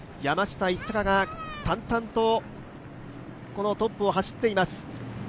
山下一貴が淡々とトップを走っています。